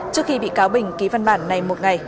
trước khi bị cáo bình ký văn bản này một ngày